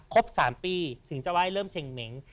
ครบ๓ปีถึงจะไหว้เริ่มเช่งเหม็ง